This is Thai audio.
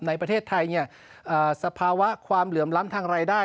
ในประเทศไทยสภาวะความเหลื่อมล้ำทางรายได้